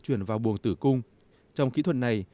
chuyển vào buồng tử cung trong kỹ thuật này